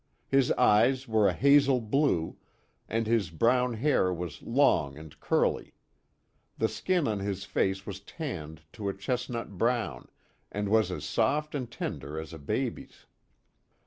His eyes were a hazel blue, and his brown hair was long and curly. The skin on his face was tanned to a chestnut brown, and was as soft and tender as a baby's.